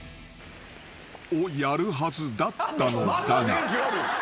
［をやるはずだったのだが］